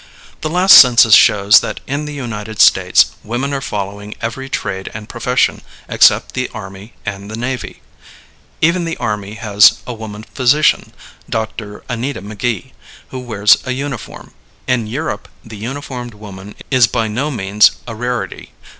The last census shows that in the United States women are following every trade and profession except the army and the navy. Even the army has a woman physician, Dr. Anita McGee, who wears a uniform. In Europe, the uniformed woman is by no means a rarity.